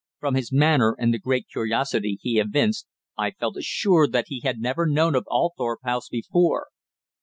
From his manner and the great curiosity he evinced, I felt assured that he had never known of Althorp House before.